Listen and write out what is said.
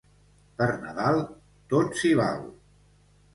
Per Nadal tot si val